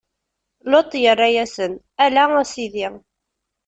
Luṭ irra-yasen: Ala, a Sidi!